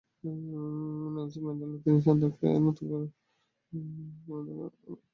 Nelson ম্যান্ডেলার তিন সন্তানকে নতুন করে সমাহিত করে বিরোধের বীজ বুনেছিলেন তিনি।